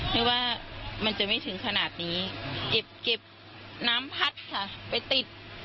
นึกว่ามันจะไม่ถึงขนาดนี้